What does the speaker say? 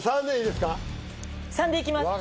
３でいきます